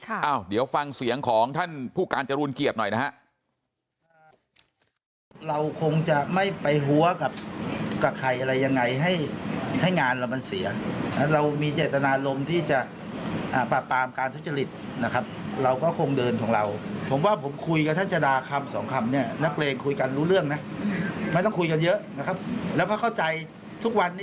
เดี๋ยวฟังเสียงของท่านผู้การจรูนเกียรติหน่อยนะฮะ